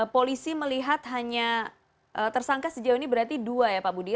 polisi melihat hanya tersangka sejauh ini berarti dua ya pak budi